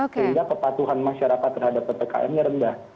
sehingga kepatuhan masyarakat terhadap ppkm nya rendah